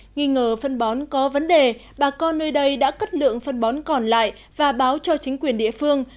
nghi ngờ phân bón có vấn đề bà con nơi đây đã cất lượng phân bón còn lại và báo cho chính quyền địa phương